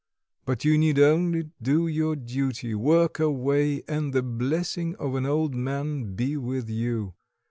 but you need only do your duty, work away, and the blessing of an old man be with you.